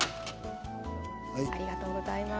ありがとうございます。